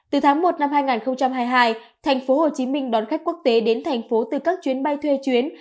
từ tháng một năm hai nghìn hai mươi hai thành phố hồ chí minh đón khách quốc tế đến thành phố từ các chuyến bay thuê chuyến